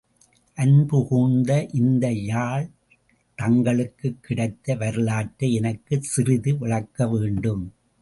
அன்பு கூர்ந்து இந்த யாழ் தங்களுக்குக் கிடைத்த வரலாற்றை எனக்குச் சிறிது விளக்க வேண்டும்!